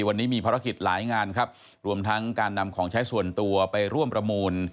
วันนี้มีภารกิจหลายงานครับรวมทั้งการนำของใช้ส่วนตัวไปร่วมประมูล